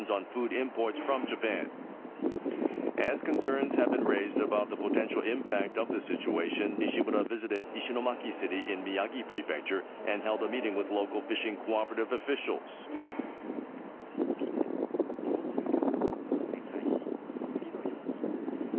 こうした中、西村経済産業大臣は宮城県石巻市で、地元漁協の幹部と面会し、次のように述べました。